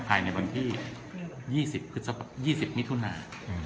ภายในวันที่ยี่สิบพฤษภายี่สิบมิถุนาอืม